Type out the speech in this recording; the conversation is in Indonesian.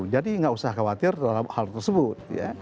jadi tidak usah khawatir hal tersebut